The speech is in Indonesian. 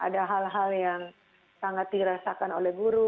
ada hal hal yang sangat dirasakan oleh guru